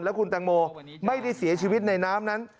คุณตังโมไม่ได้เสียชีวิตในน้ำนั้น